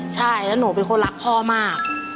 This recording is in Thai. ใช่แล้วหนูเป็นคนรักพ่อมาก